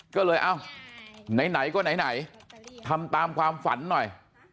ก็เลยเอ้าไหนก็ไหนทำตามความฝันหน่อย